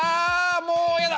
もうやだ！